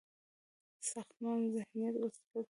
ښځمن ذهنيت مسلط کړي،